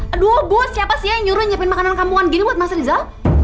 aduh bu siapa sih yang nyuruh nyiapin makanan kampungan gini buat mas rizal